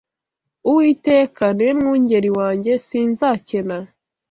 Uwiteka ni we mwungeri wanjye, sinzakena